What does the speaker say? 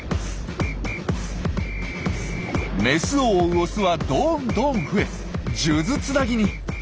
メスを追うオスはどんどん増え数珠つなぎに。